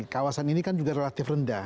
kawasan ini kan juga relatif rendah